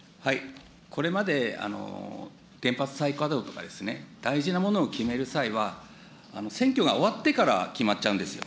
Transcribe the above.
これまで原発再稼働とかですね、大事なものを決める際は、選挙が終わってから決まっちゃうんですよ。